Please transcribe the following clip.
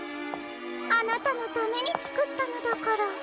あなたのためにつくったのだから。